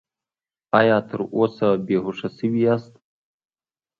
ایا تر اوسه بې هوښه شوي یاست؟